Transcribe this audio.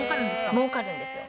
もうかるんですよ。